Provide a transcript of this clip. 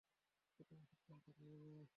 প্রথমে সিদ্ধান্ত নিয়ে নে।